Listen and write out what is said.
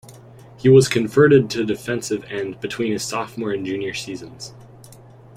He was converted to defensive end between his sophomore and junior seasons.